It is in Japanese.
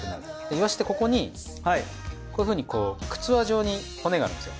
イワシってここにこういうふうにこうくつわ状に骨があるんですよ。